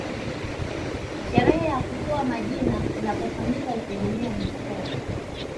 Sherehe ya kutoa majina inapofanyika hutegemea na koo